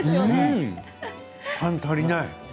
パン、足りない。